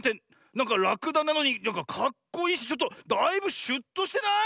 なんからくだなのになんかかっこいいしちょっとだいぶシュッとしてない？